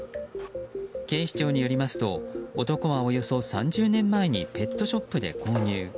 警視庁によりますと男は、およそ３０年前にペットショップで購入。